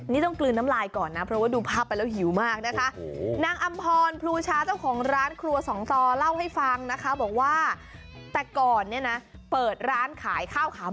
นี่ต้องกลืนน้ำลายก่อนนะเพราะว่าดูภาพไปแล้วหิวมากนะคะ